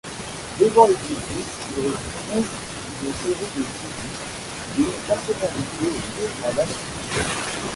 Devant l'édifice se trouve une série de six bustes de personnalités liées à l'institution.